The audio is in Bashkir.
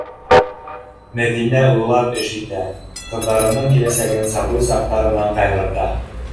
Мәҙинә уйлап эш итә: ҡыҙҙарының киләсәген сабый саҡтарынан ҡайғырта.